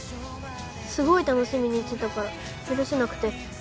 すごい楽しみにしてたから許せなくて